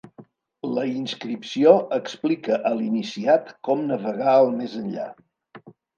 La inscripció explica a l'iniciat com navegar el més enllà.